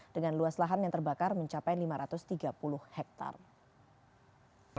dengan luas lahan yang terbakar mencapai lima ratus tiga puluh hektare